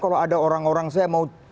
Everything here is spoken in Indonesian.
kalau ada orang orang saya mau